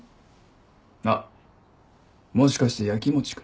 あっもしかして焼きもちか？